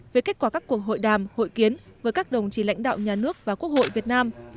về kết quả các cuộc hội đàm hội kiến với các đồng chí lãnh đạo nhà nước và quốc hội việt nam